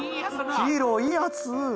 ヒーローいいヤツ。